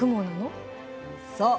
そう。